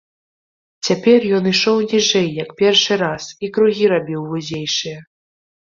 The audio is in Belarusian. Цяпер ён ішоў ніжэй, як першы раз, і кругі рабіў вузейшыя.